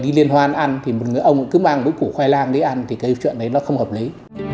đi liên hoan ăn thì một người ông cứ mang cái củ khoai lang để ăn thì cái chuyện đấy nó không hợp lý